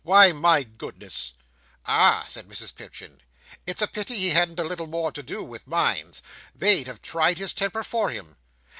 Why, my goodness!" "Ah!" says Mrs Pipchin. "It's a pity he hadn't a little more to do with mines. They'd have tried his temper for him."